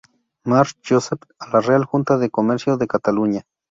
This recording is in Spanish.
March, Josep, "A la Real Junta de Comercio de Cataluña".